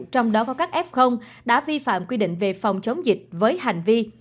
trong đó có các f đã vi phạm quy định về phòng chống dịch với hành vi